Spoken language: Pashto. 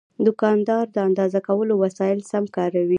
دوکاندار د اندازه کولو وسایل سم کاروي.